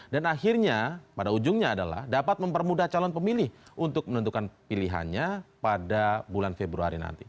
dan akhirnya pada ujungnya adalah dapat mempermudah calon pemilih untuk menentukan pilihannya pada bulan februari nanti